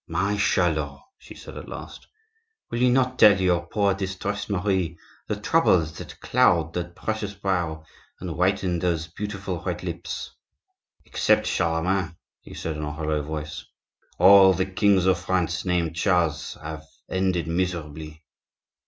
"My Charlot," she said at last, "will you not tell your poor, distressed Marie the troubles that cloud that precious brow, and whiten those beautiful red lips?" "Except Charlemagne," he said in a hollow voice, "all the kings of France named Charles have ended miserably."